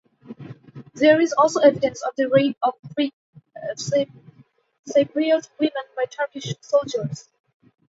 There is also evidence of the rape of Greek Cypriot women by Turkish soldiers.